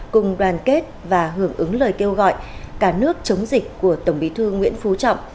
cùng đoàn kết và hưởng ứng lời kêu gọi cả nước chống dịch của tổng bí thư nguyễn phú trọng